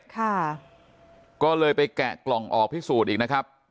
ค่ะก็เลยไปแกะกล่องออกพิสูจน์อีกนะครับ